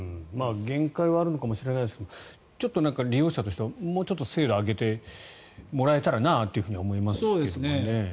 限界はあるのかもしれないですけどちょっと利用者としてはもうちょっと精度を上げてもらえたらなとは思いますけどね。